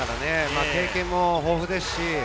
経験も豊富です。